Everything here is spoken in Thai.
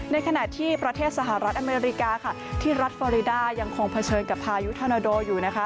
ในขณะที่ประเทศสหรัฐอเมริกาค่ะที่รัฐฟอริดายังคงเผชิญกับพายุธนาโดอยู่นะคะ